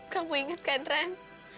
kamu ingat kan ran